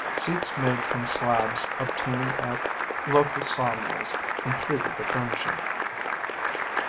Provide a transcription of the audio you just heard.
Seats made from slabs obtained at local sawmills completed the furnishing.